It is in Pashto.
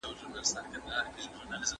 زه پرون کتابتون پاک کړ!؟